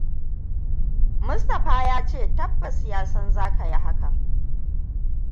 Mustapha ya ce tabbas ya san za ka yi hakan.